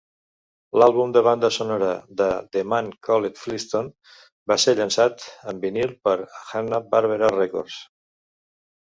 L'àlbum de banda sonora de The Man Called Flintstone va ser llançat en vinil per Hanna-Barbera Records.